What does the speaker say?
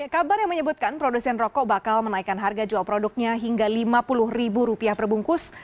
kabar yang menyebutkan produsen rokok bakal menaikkan harga jual produknya hingga lima puluh ribu rupiah perbungkus